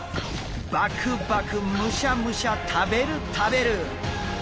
バクバクむしゃむしゃ食べる食べる！